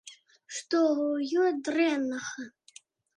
Што ў ёй дрэннага?